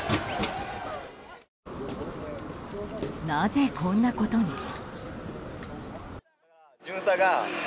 なぜ、こんなことに？